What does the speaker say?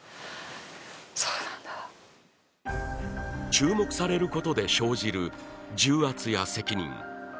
注目されることで生じる重圧や責任。